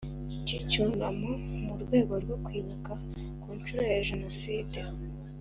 cy icyunamo mu rwego rwo kwibuka ku nshuro ya Jenoside